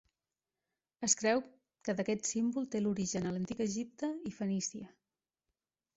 Es creu que d'aquest símbol té l'origen a l'antic Egipte i Fenícia.